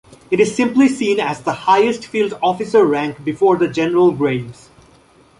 It is simply seen as the highest field officer rank before the general grades.